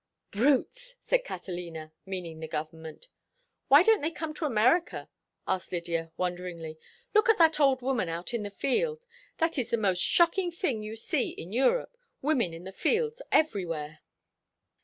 "Brutes!" said Catalina, meaning the government. "Why don't they come to America?" asked Lydia, wonderingly. "Look at that old woman out in the field. That is the most shocking thing you see in Europe—women in the fields everywhere."